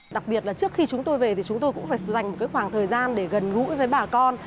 đặc biệt là trước khi chúng tôi về thì chúng tôi cũng phải dành một khoảng thời gian để gần gũi với bà con